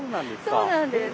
そうなんです。